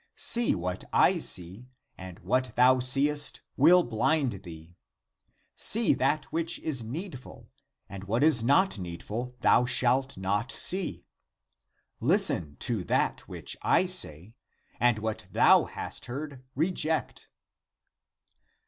See what I see, and what thou seest, will blind thee. See that which is needful. ACTS OF ANDREW 209 and what is not needful thou shah not see. Listen to that which I say, and what thou hast heard, reject